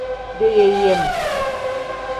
Deyeeyem.